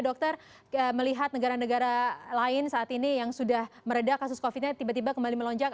dokter melihat negara negara lain saat ini yang sudah meredah kasus covid nya tiba tiba kembali melonjak